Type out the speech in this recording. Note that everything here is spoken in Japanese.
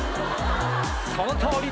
そのとおり！